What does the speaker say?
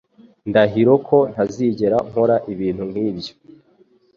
Ndahiro ko ntazigera nkora ibintu nkibyo.